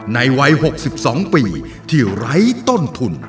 ในวัย๖๒ปีที่ไร้ต้นทุน